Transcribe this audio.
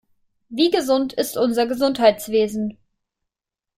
Wie gesund ist unser Gesundheitswesen?